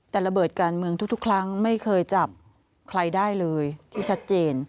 แต่ระเบิดการเมืองทุกครั้งไม่เคยจับใครได้เลยที่ชัดเจน